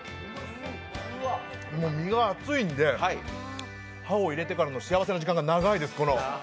身が厚いんで、歯を入れてからの幸せな時間が長いです。